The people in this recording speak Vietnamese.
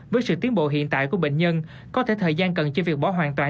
với sự tiến bộ hiện tại của bệnh nhân có thể thời gian cần cho việc bỏ hoàn toàn